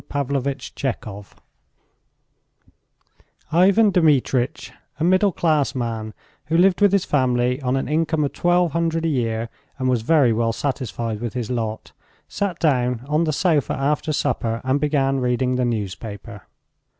THE LOTTERY TICKET IVAN DMITRITCH, a middle class man who lived with his family on an income of twelve hundred a year and was very well satisfied with his lot, sat down on the sofa after supper and began reading the newspaper.